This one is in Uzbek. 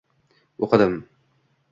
O'qidim.